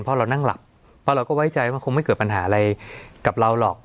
เพราะเรานั่งหลับเพราะเราก็ไว้ใจว่าคงไม่เกิดปัญหาอะไรกับเราหรอก